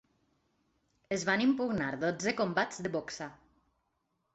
Es van impugnar dotze combats de boxa.